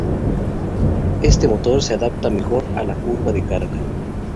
Este motor se adapta mejor a la curva de carga.